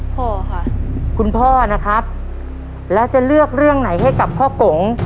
พ่อค่ะคุณพ่อนะครับแล้วจะเลือกเรื่องไหนให้กับพ่อกง